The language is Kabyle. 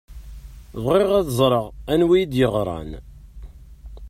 Bɣiɣ ad ẓṛeɣ anwa i d-yeɣṛan.